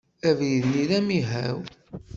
Abrid-nni d amihaw.